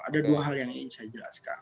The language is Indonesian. ada dua hal yang ingin saya jelaskan